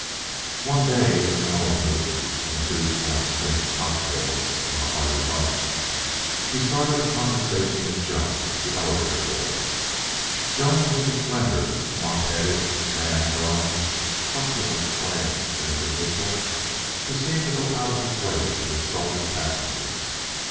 One day, in a mellow mood (induced by a string of cocktails and a hearty lunch), he started a conversation with Jones, the elevator boy. Jones was a slender, mop headed, man grown, truculent flame of an individual who seemed to go out of his way to insult his passengers.